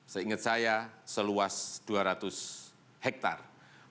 seingat saya seluas dua ratus hektare